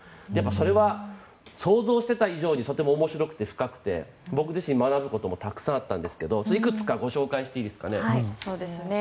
それは想像していた以上にとても面白くて深くて僕自身、学ぶこともたくさんあったんですがいくつかご紹介していいですかね。